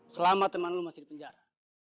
selama teman lu masih di penjara